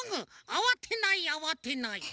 あわてないあわてない！